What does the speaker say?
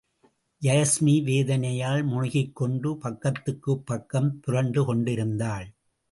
யாஸ்மி வேதனையால் முனகிக்கொண்டு பக்கத்துக்குப் பக்கம் புரண்டு கொண்டிருந்தாள்.